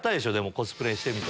コスプレしてみて。